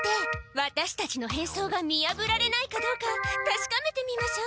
ワタシたちの変装が見やぶられないかどうかたしかめてみましょう！